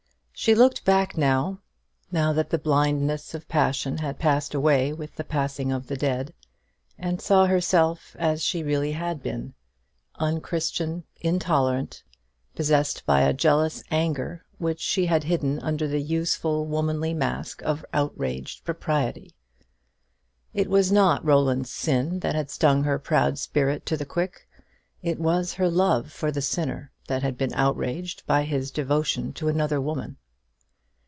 She looked back, now that the blindness of passion had passed away with the passing of the dead, and saw herself as she had really been unchristian, intolerant, possessed by a jealous anger, which she had hidden under the useful womanly mask of outraged propriety. It was not Roland's sin that had stung her proud spirit to the quick: it was her love for the sinner that had been outraged by his devotion to another woman.